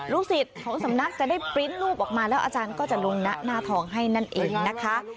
สิทธิ์ของสำนักจะได้ปริ้นต์รูปออกมาแล้วอาจารย์ก็จะลงหน้าทองให้นั่นเองนะคะ